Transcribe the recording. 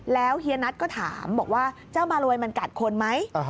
แล้วเฮียนัทก็ถามบอกว่าเจ้ามารวยมันกัดคนไหม